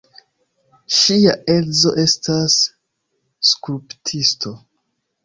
Ŝia edzo estas skulptisto.